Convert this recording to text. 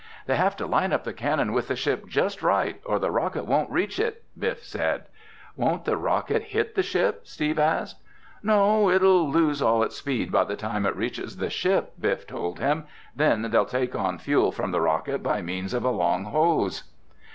"They have to line up the cannon with the ship just right or the rocket won't reach it," Biff said. "Won't the rocket hit the ship?" Steve asked. "No, it'll lose all its speed by the time it reaches the ship," Biff told him. "Then they'll take on fuel from the rocket by means of a long hose."